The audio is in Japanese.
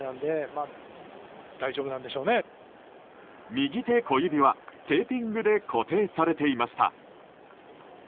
右手小指はテーピングで固定されていました。